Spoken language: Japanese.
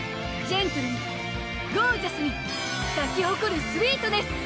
ジェントルにゴージャスに咲き誇るスウィートネス！